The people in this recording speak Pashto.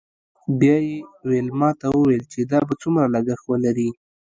بیا یې ویلما ته وویل چې دا به څومره لګښت ولري